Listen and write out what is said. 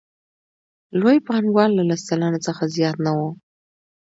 لوی پانګوال له لس سلنه څخه زیات نه وو